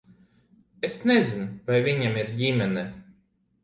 Es nezinu, vai viņam ir ģimene.